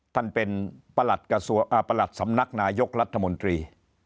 ท่านเป็นประหลัดสำนักนายกรัฐมนตรี